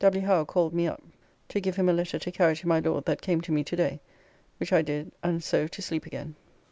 W. Howe called me up to give him a letter to carry to my Lord that came to me to day, which I did and so to, sleep again.